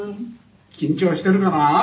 「緊張してるかな？」